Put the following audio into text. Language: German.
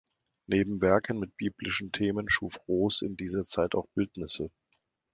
Neben Werken mit biblischen Themen schuf Roos in dieser Zeit auch Bildnisse.